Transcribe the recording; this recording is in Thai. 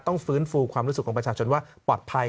ต้องฟื้นฟูความรู้สึกของประชาชนว่าปลอดภัย